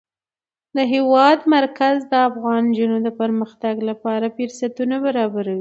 د هېواد مرکز د افغان نجونو د پرمختګ لپاره فرصتونه برابروي.